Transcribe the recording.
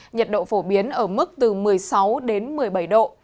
nhiệt độ phổ biến ở mức từ một mươi sáu đến một mươi bảy độ